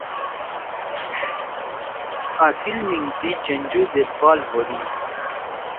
اصیل میِنگ سی چنجو زید بال ہودی۔